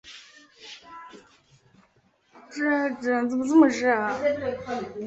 干线的轨道与中央本线和青梅线通过立川站连接着。